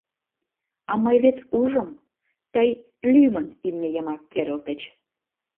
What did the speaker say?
— А мый вет ужым... тый лӱмын имне йымак керылтыч...